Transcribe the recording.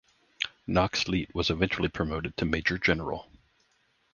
Knox-Leet was eventually promoted to Major General.